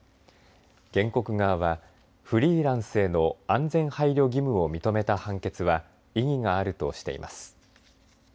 原告側はフリーランスへの安全配慮義務を認めた判決は意義があるとしています。